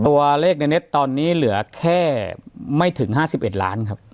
ตัวเลขในเน็ตตอนนี้เหลือแค่ไม่ถึง๕๑ล้านครับ